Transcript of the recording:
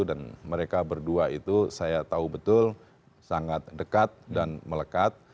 dan mereka berdua itu saya tahu betul sangat dekat dan melekat